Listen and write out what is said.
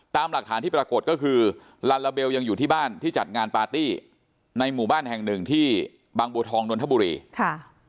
ตามหลักฐานที่ปรากฏก็คือลาลาเบลยังอยู่ที่บ้านที่จัดงานปาร์ตี้ในหมู่บ้านแห่งหนึ่งที่บางบัวทองนนทบุรีค่ะ